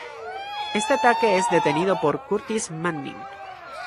Este ataque es detenido por Curtis Manning.